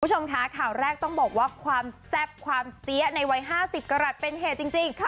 คุณผู้ชมค่ะข่าวแรกต้องบอกว่าความแซ่บความเสียในวัย๕๐กรัฐเป็นเหตุจริง